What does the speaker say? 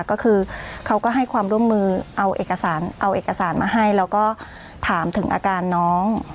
ก็คือเขาก็ให้ความร่วมมือเอาเอกสารมาให้แล้วก็ถามถึงอาการน้อง